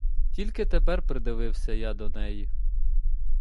Тільки тепер придивився я до неї.